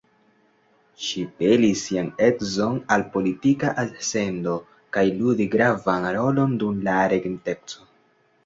Ŝi pelis sian edzon al politika ascendo kaj ludi gravan rolon dum la Regenteco.